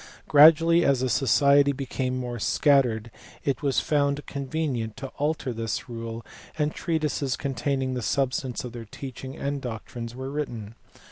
Gradually, as the society became more scattered, it was found convenient to alter this rule, and treatises containing the substance of their teach ing and doctrines were written.